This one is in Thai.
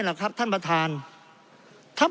เพราะเรามี๕ชั่วโมงครับท่านนึง